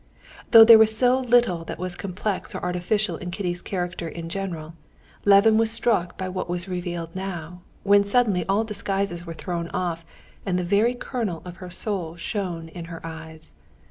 Though there was so little that was complex or artificial in Kitty's character in general, Levin was struck by what was revealed now, when suddenly all disguises were thrown off and the very kernel of her soul shone in her eyes.